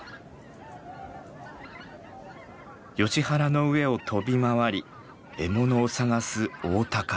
ヨシ原の上を飛び回り獲物を探すオオタカ。